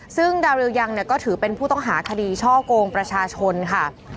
ซึ่งดาริวยังก็ถือเป็นผู้ต้องหาคดีช่อกงประชาชนค่ะ